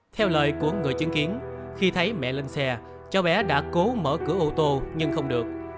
theo lời của người chứng kiến khi thấy mẹ lên xe cháu bé đã cố mở cửa ô tô nhưng không được